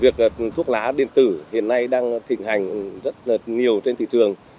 chúng ta đang thịnh hành rất nhiều trên thị trường